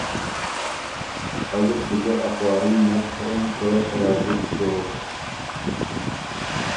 ازت سُو ګه ا خواري نک خورېم که راضی ت دوک۔